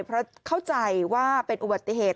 เพราะเข้าใจว่าเป็นอุบัติเหตุ